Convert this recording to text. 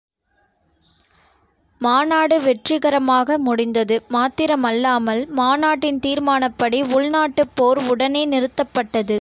மாநாடு வெற்றிகரமரக முடிந்தது மாத்திரமல்லாமல், மாநாட்டின் தீர்மானப்படி உள்நாட்டுப் போர் உடனே நிறுத்தப்பட்டது.